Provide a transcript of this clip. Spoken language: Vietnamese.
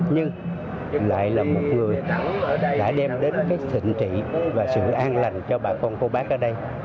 nhưng lại là một người đã đem đến cái thịnh trị và sự an lành cho bà con cô bác ở đây